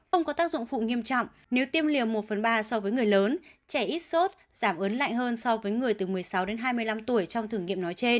ông có tác dụng phụ nghiêm trọng nếu tiêm liều một phần ba so với người lớn trẻ ít sốt giảm ớn lại hơn so với người từ một mươi sáu đến hai mươi năm tuổi trong thử nghiệm nói trên